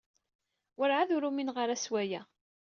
Werɛad ur umineɣ ara s waya.